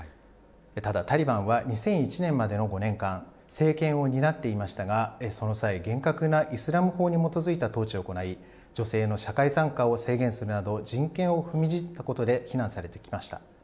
ただ、タリバンは２００１年までの５年間、政権を担っていましたが、その際、厳格なイスラム法に基づいた統治を行い、女性の社会参加を制限するなど、人権を踏みにじったことで非難されてきました。